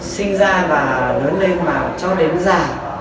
sinh ra và lớn lên và cho đến già